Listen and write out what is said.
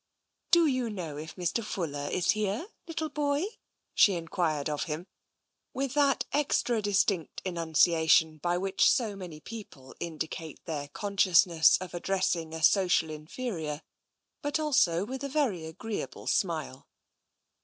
"Do you know if Mr. Fuller is here, little boy? " she enquired of him, with that extra distinct enuncia tion by which so many people indicate their conscious ness of addressing a social inferior, but also with a very agreeable smile.